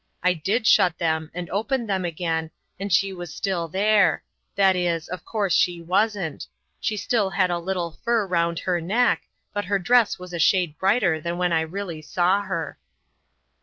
I did shut them, and opened them again, and she was still there that is, of course, she wasn't She still had a little fur round her neck, but her dress was a shade brighter than when I really saw her."